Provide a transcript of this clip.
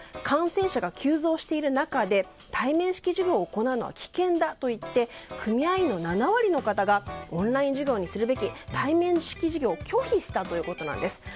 感染者が急増している中で対面式授業を行うのは危険だと言って組合員の７割の方がオンライン授業にするべきと対面式授業を拒否したということなんです。